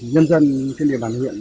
nhân dân trên địa bàn huyện